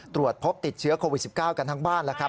ตรวจพบติดเชื้อโควิด๑๙กันทั้งบ้านแล้วครับ